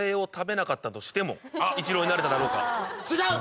違う！